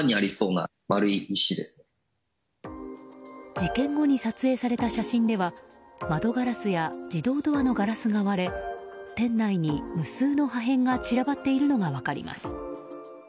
事件後に撮影された写真では窓ガラスや自動ドアのガラスが割れ店内に無数の破片が散らばっているのが分かります。